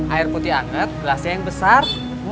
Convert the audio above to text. air putih anget gelasnya yang besar